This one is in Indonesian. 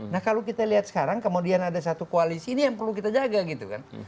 nah kalau kita lihat sekarang kemudian ada satu koalisi ini yang perlu kita jaga gitu kan